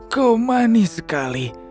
kau manis sekali